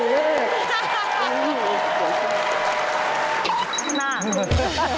เจ๋งมากเลย